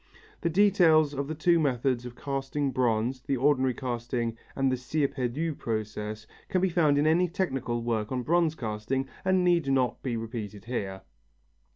The details of these two methods of casting bronze, the ordinary casting and the cire perdu process, can be found in any technical work on bronze casting and need not be repeated here.